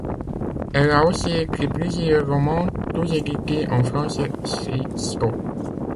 Elle a aussi écrit plusieurs romans, tous édités en français chez Stock.